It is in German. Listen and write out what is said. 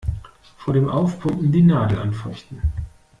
Vor dem Aufpumpen die Nadel anfeuchten.